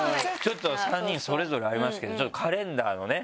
３人それぞれありますけどちょっとカレンダーのね。